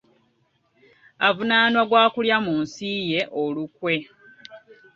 Avunaanwa gwa kulya mu nsi ye olukwe.